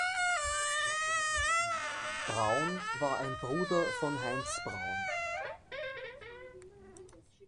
Braun war ein Bruder von Heinz Braun.